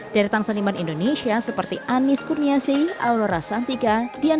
dari tang seniman indonesia seperti anies kurniasi aulara santiga dian